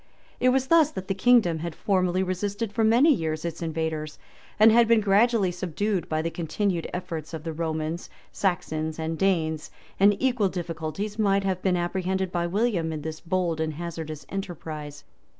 It was thus that the kingdom had formerly resisted for many years its invaders, and had been gradually subdued by the continued efforts of the Romans, Saxons, and Danes; and equal difficulties might have been apprehended by William in this bold and hazardous enterprise.